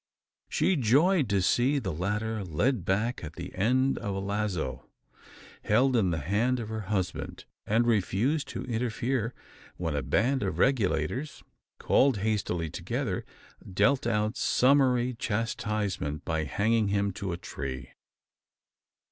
She joyed to see the latter led back at the end of a lazo held in the hand of her husband; and refused to interfere, when a band of Regulators, called hastily together, dealt out summary chastisement by hanging him to a tree!